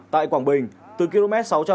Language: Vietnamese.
tại quảng bình